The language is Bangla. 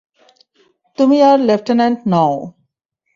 তুমি আর লেফটেন্যান্ট নও।